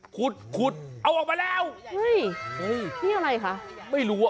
ขุดขุดเอาออกมาแล้วเฮ้ยนี่อะไรคะไม่รู้อ่ะ